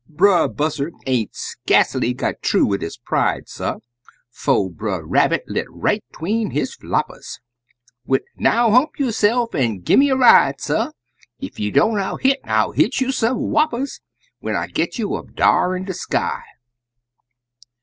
Brer Buzzard ain't skacely got thoo wid his pride, suh, 'Fo' Brer Rabbit lit right 'tween his floppers, Wid, "Now, hump yo'se'f, an' gi' me a ride, suh, Ef you don't I'll hit I'll hit you some whoppers When I git you up dar in de sky!"